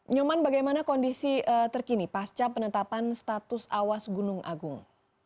nyoman bagaimana kondisi terkini pasca penetapan status awas gunung agung